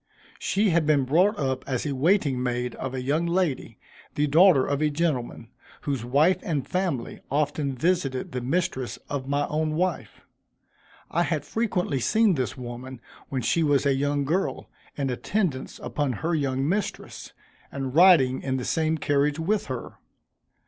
She had been brought up as a waiting maid of a young lady, the daughter of a gentleman, whose wife and family often visited the mistress of my own wife. I had frequently seen this woman when she was a young girl, in attendance upon her young mistress, and riding in the same carriage with her.